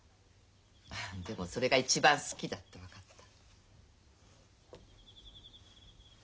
でもそれが一番好きだって分かった。